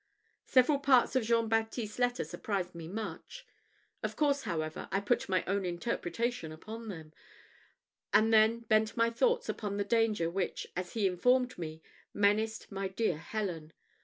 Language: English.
Several parts of Jean Baptiste's letter surprised me much. Of course, however, I put my own interpretation upon them, and then bent my thoughts upon the danger which, as he informed me, menaced my dear Helen.